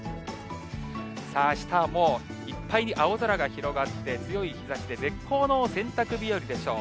さあ、あしたはもう、いっぱいに青空が広がって、強い日ざしで、絶好の洗濯日和でしょう。